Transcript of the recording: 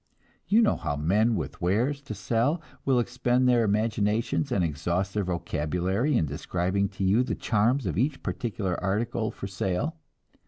You know how men with wares to sell will expend their imaginations and exhaust their vocabulary in describing to you the charms of each particular article for sale.